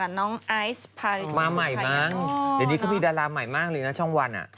อายสฟาริกมาใหม่มั้งเดี๋ยวนี้ก็มีดาราใหม่มากเลยนะช่องวัน